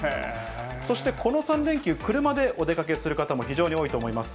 そして、この３連休、車でお出かけする方も非常に多いと思います。